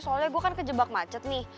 soalnya gue kan ke jebak macet nih